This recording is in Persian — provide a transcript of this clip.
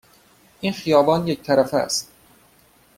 این خیابان یک طرفه است.